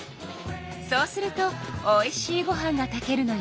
そうするとおいしいご飯が炊けるのよ。